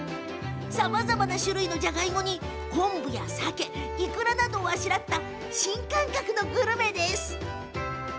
さまざまな種類のじゃがいもに昆布やさけいくらなどをあしらった新感覚のグルメです。